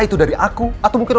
kan aku disuruh mama kamu